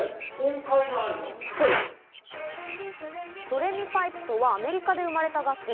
ドレミパイプとはアメリカで生まれた楽器。